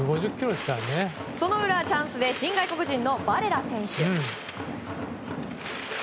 その裏、チャンスで新外国人のバレラ選手。